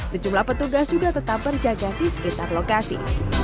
sejumlah petugas juga tetap berjaga di sekitar lokasi